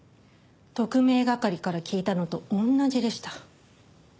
特命係から聞いたのと同じでした。